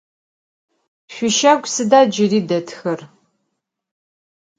Şüişagu sıda cıri detxer?